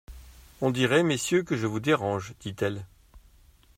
On dirait, messieurs, que je vous dérange! dit-elle.